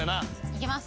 いけます。